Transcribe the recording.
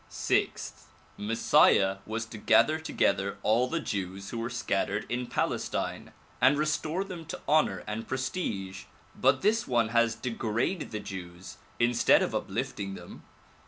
'' Sixth : Messiah was to gather together all the Jews who were scattered in Palestine and restore them to honor and prestige but this one has degraded the Jews instead of uplifting them.